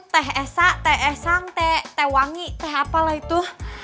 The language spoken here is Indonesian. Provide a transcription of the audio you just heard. teh esak teh esang teh wangi teh apalah itu